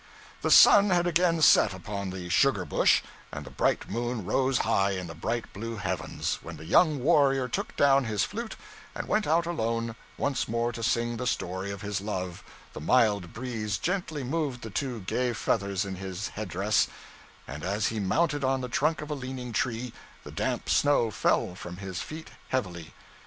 The sun had again set upon the 'sugar bush,' and the bright moon rose high in the bright blue heavens, when the young warrior took down his flute and went out alone, once more to sing the story of his love, the mild breeze gently moved the two gay feathers in his head dress, and as he mounted on the trunk of a leaning tree, the damp snow fell from his feet heavily.